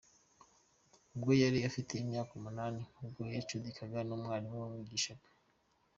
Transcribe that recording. ubwo yari afite imyaka umunani ubwo yacudikaga n’umwarimu wamwigishaga.